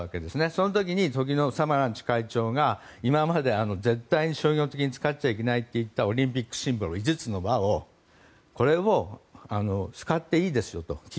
その時に時のサマランチ会長が今まで、絶対に商業的に使っちゃいけないと言ったオリンピックシンボル５つの輪を企業に使っていいですよと。